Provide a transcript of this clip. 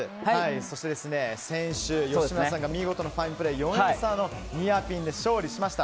そして先週吉村さんが見事なファインプレーニアピンで勝利しました。